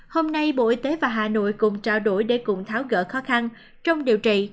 hôm nay bộ y tế và hà nội cùng trao đổi để cùng tháo gỡ khó khăn trong điều trị